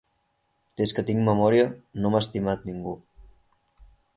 Des que tinc memòria, no m'ha estimat ningú.